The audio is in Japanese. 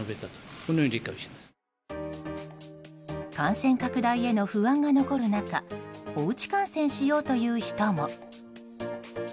感染拡大への不安が残る中おうち観戦しようという人も。